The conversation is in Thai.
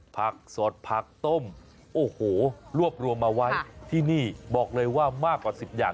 ผักสดผักต้มโอ้โหรวบรวมมาไว้ที่นี่บอกเลยว่ามากกว่า๑๐อย่าง